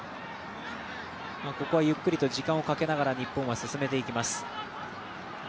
ここはゆっくりと時間をかけながら日本は進めていきます。